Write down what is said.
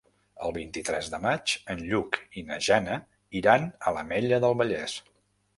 El vint-i-tres de maig en Lluc i na Jana iran a l'Ametlla del Vallès.